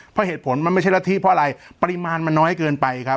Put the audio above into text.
เพราะเหตุผลมันไม่ใช่ละที่เพราะอะไรปริมาณมันน้อยเกินไปครับ